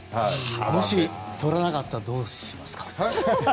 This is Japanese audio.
もしとれなかったらどうしますか？